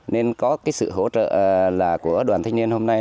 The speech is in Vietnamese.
nên có sự hỗ trợ của đoàn thanh niên hôm nay